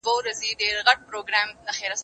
زه به سبا سفر وکړم!.